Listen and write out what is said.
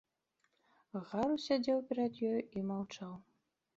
Гарус сядзеў перад ёю і маўчаў.